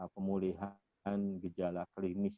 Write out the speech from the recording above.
pemulihan gejala klinis